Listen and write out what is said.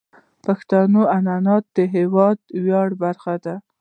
پښتني عنعنات د هیواد د ویاړ برخه دي.